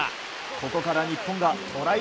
ここから日本がトライ